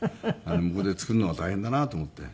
向こうで作るのは大変だなと思って。